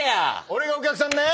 俺がお客さんね。